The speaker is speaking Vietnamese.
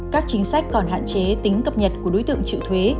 các chính sách còn hạn chế tính cập nhật của đối tượng chịu thuế